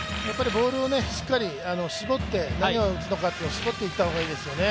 ボールをしっかり絞って何を打つのか絞っていった方がいいですよね。